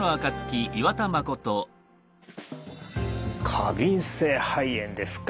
過敏性肺炎ですか。